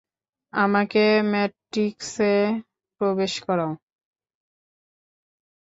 আমাকে ম্যাট্রিক্সে প্রবেশ করাও।